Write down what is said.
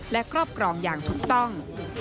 และครอบครองอย่างถูกต้อง